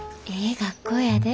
学校やで。